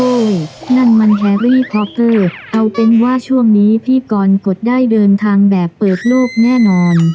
นั่นมันแฮรี่พอเกอร์เอาเป็นว่าช่วงนี้พี่กรกฎได้เดินทางแบบเปิดโลกแน่นอน